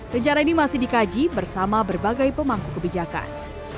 rencana ini masih dikaji bersama berbagai pemangku kebijakan